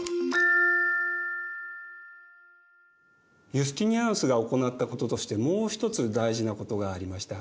ユスティニアヌスが行ったこととしてもう一つ大事なことがありました。